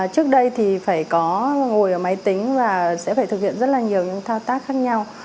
trước đây thì phải có ngồi ở máy tính và sẽ phải thực hiện rất là nhiều những thao tác khác nhau